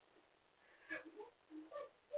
چاکلېټ د عاشق لپاره بوی لري.